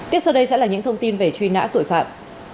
tiếp sau đây sẽ là những thông tin về truy nã tội phạm